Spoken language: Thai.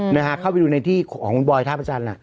นะฮะเข้าไปดูในที่ของคุณบอยท่าพระจันทร์